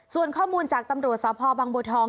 ส่วนข้อมูลจากตำรวจสพบังบัวทอง